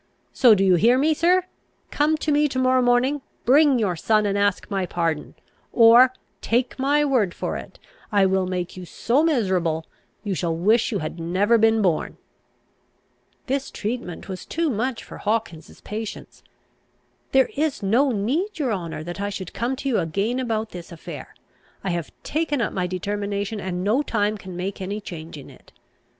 So do you hear, sir? come to me to morrow morning, bring your son, and ask my pardon; or, take my word for it, I will make you so miserable, you shall wish you had never been born." This treatment was too much for Hawkins's patience. "There is no need, your honour, that I should come to you again about this affair. I have taken up my determination, and no time can make any change in it.